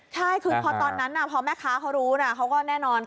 ใช่คือพอตอนนั้นน่าข้อมาคาเขารู้น่ะเขาก็แน่นอนต้องไม่มาขาย